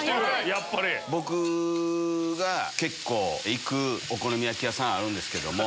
僕が結構行くお好み焼き屋さんあるんですけども。